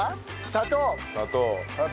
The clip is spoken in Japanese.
砂糖。